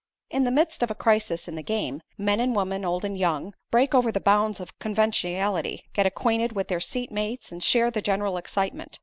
In the midst of a crisis in the game, men and women, old and young, break over the bounds of conventionality, get acquainted with their seat mates and share the general excitement.